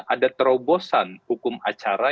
ada terobosan hukum acara